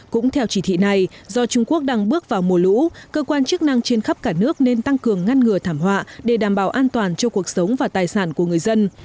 cũng theo chỉ thị này do trung quốc đang bước vào mùa lũ cơ quan chức năng trên khắp cả nước nên tăng cường ngăn ngừa thảm họa để đảm bảo an toàn cho cuộc sống và tài sản của người dân